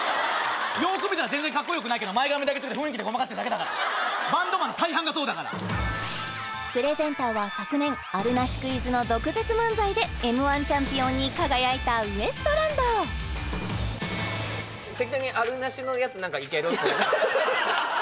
よーく見たら全然カッコよくないけど前髪雰囲気でごまかしてるだけだからバンドマン大半がそうだからプレゼンターは昨年あるなしクイズの毒舌漫才でＭ−１チャンピオンに輝いたウエストランド適当にあるなしのやつ何かいける？